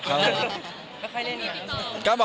ก็ค่อยเล่นอย่างนั้น